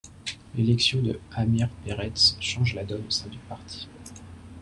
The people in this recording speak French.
L'élection de Amir Peretz change la donne au sein du parti.